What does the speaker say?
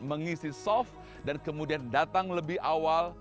mengisi soft dan kemudian datang lebih awal